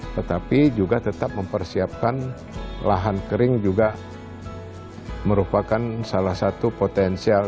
tetapi juga tetap mempersiapkan lahan kering juga merupakan salah satu potensial